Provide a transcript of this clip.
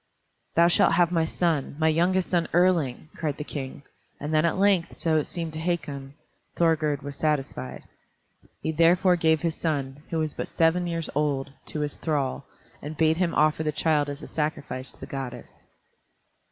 "Thou shalt have my son, my youngest son Erling!" cried the King, and then at length, so it seemed to Hakon, Thorgerd was satisfied. He therefore gave his son, who was but seven years old, to his thrall, and bade him offer the child as a sacrifice to the goddess.